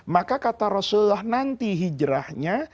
maka kata rasulullah nanti hijrahnya